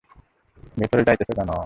ভেতরে যাইতাছো কেনো?